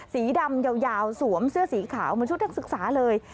สีดำยาวสวมเสื้อสีขาวเหมือนชุดนักศึกษาเลย